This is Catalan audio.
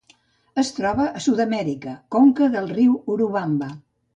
Es troba a Sud-amèrica: conca del riu Urubamba.